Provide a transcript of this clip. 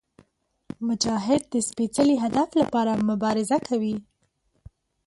مجاهد د سپېڅلي هدف لپاره مبارزه کوي.